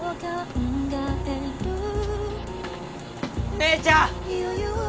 姉ちゃん！